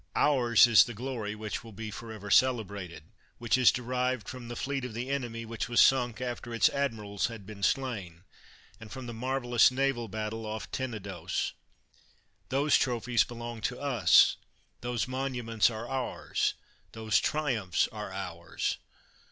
Ours is the glory which will be forever cele brated, which is derived from the fleet of the enemy which was sunk after its admirals had been slain, and from the marvelous naval battle off Tenedos; those trophies belong to us, those monuments are ours, those triumphs are ours.